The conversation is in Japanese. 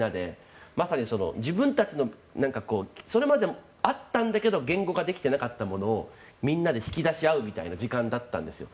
まさに自分たちのそれまであったんだけど言語化できてなかったものをみんなで引き出し合うみたいな時間だったんですよ。